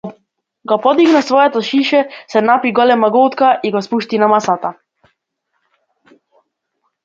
Го подигна своето шише, се напи голема голтка и го спушти на масата.